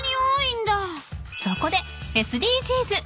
そこでＳＤＧｓ。